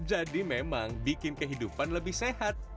jadi memang bikin kehidupan lebih sehat